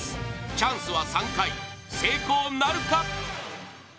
チャンスは３回成功なるか？